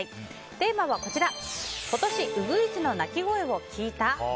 テーマは今年ウグイスの鳴き声を聞いた？